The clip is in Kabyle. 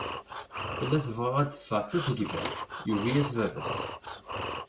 Tella tebɣa ad d-teffeɣ d tasegbart, yugi-yas baba-s.